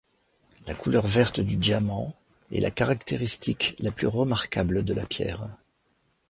La couleur verte du diamant est la caractéristique la plus remarquable de la pierre.